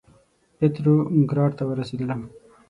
پتروګراډ ته ورسېدلم.